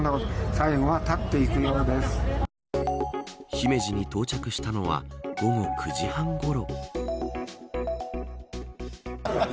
姫路に到着したのは午後９時半ごろ。